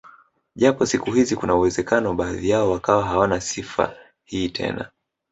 Japo siku hizi kuna uwezekano baadhi yao wakawa hawana sifa hii tena